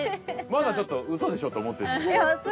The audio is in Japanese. まだちょっとウソでしょと思ってる？